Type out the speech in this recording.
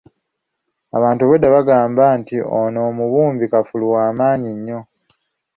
Abantu obwedda bagamba nti ono omubumbi kafulu w'amaanyi nnyo.